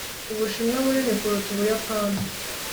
ubushinwa bunini kuruta ubuyapani